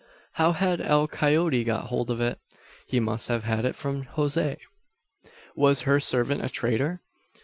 How had El Coyote got hold of it? He must have had it from Jose! Was her servant a traitor?